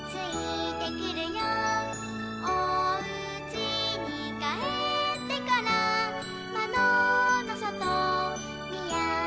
「おうちにかえってからまどのそとみあげてみよう」